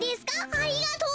ありがとう。